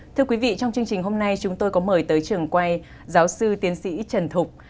thưa quý vị trong chương trình hôm nay chúng tôi có mời tới trường quay giáo sư tiến sĩ trần thục